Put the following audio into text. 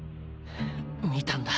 見たんだ。